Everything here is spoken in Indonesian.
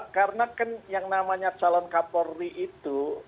karena kan yang namanya calon kapolri itu